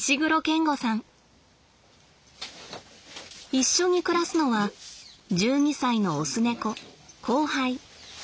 一緒に暮らすのは１２歳のオス猫コウハイ。